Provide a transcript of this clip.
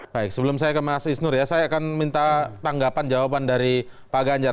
baik sebelum saya ke mas isnur ya saya akan minta tanggapan jawaban dari pak ganjar